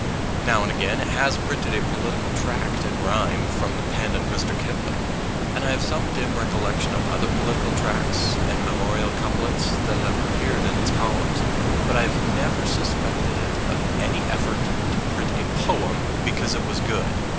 Now and again 56 THE POET AND THE PEOPLE 57 it has printed a political tract in rhyme from the pen of Mr. Kipling, and I have some dim recollection of other political tracts and memorial couplets that have appeared in its columns. But I have never suspected it of any effort to print a poem because it was good.